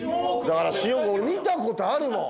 だから新大久保見た事あるもん。